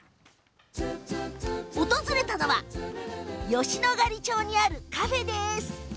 訪れたのは吉野ヶ里町にあるカフェ。